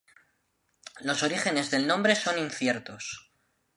Los orígenes del nombre son inciertos.